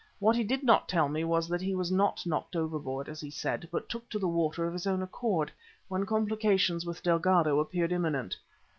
What he did not tell me was that he was not knocked overboard, as he said, but took to the water of his own accord, when complications with Delgado appeared imminent.